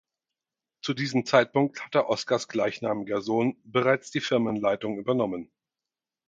Zu diesem Zeitpunkt hatte Oscars gleichnamiger Sohn bereits die Firmenleitung übernommen.